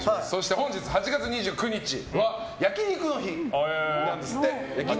本日８月２９日は焼肉の日なんですって。